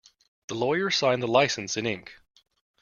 The lawyer signed the licence in ink.